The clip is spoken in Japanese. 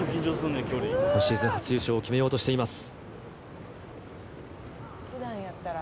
今シーズン初優勝を決めようとしています。